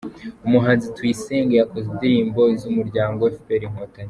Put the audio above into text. Umuhanzi Tuyisenge yakoze indirimbo z’umuryango efuperi Inkotanyi